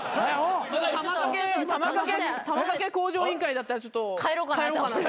「玉掛け向上委員会」だったらちょっと帰ろうかな。